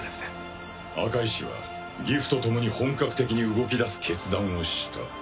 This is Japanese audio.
赤石はギフとともに本格的に動き出す決断をした。